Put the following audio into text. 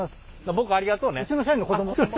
僕ありがとうね。